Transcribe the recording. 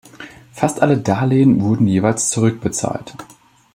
Fast alle Darlehen wurden jeweils zurückbezahlt.